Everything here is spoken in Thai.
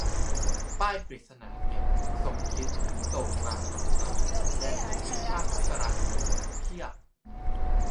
ป้ายปริศนา เหน็บ "สมคิด" โผล่กลางธรรมศาสตร์ แดนเสรีภาพทุกตารางนิ้ว เพียบ !